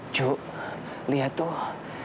ju lihat tuh